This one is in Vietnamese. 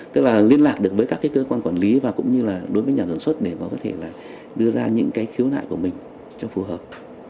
tức là liên lạc được với các cái cơ quan quản lý và cũng như là đối với nhà sản xuất để mà có thể là đưa ra những cái khiếu nại của mình cho phù hợp